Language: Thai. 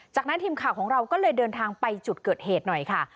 จากนั้นทีมข่าวของเราก็เลยเดินทางไปจุดเกิดเหตุหน่อยค่ะ